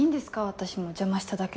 私も邪魔しただけなのに。